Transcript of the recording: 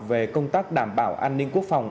về công tác đảm bảo an ninh quốc phòng